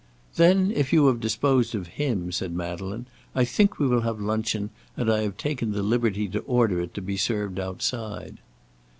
"Then if you have disposed of him," said Madeleine, "I think we will have luncheon, and I have taken the liberty to order it to be served outside."